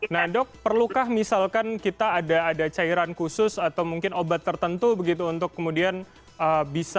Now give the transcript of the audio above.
nah dok perlukah misalkan kita ada cairan khusus atau mungkin obat tertentu begitu untuk kemudian bisa